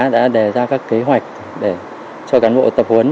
đã đề ra các kế hoạch để cho cán bộ tập huấn